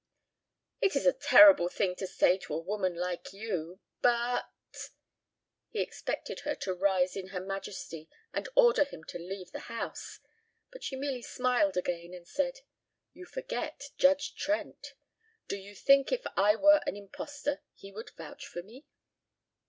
"It is a terrible thing to say to a woman like you, but " He expected her to rise in her majesty and order him to leave the house, but she merely smiled again and said: "You forget Judge Trent. Do you think if I were an impostor he would vouch for me?"